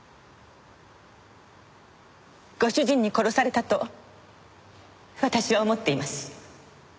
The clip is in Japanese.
ご主人に殺されたと私は思っています。